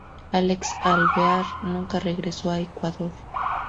Álex Alvear nunca regresó a Ecuador.